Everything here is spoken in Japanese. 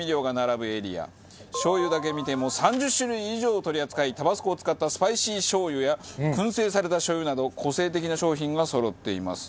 しょう油だけ見ても３０種類以上を取り扱いタバスコを使ったスパイシーしょう油や燻製されたしょう油など個性的な商品がそろっています。